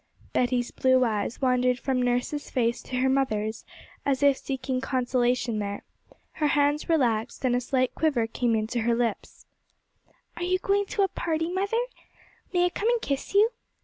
Betty's blue eyes wandered from nurse's face to her mother's, as if seeking consolation there; her hands relaxed, and a slight quiver came to the little lips. 'Are you going to a party, mother? may I come and kiss you?'